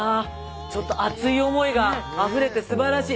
ちょっと熱い思いがあふれてすばらしい。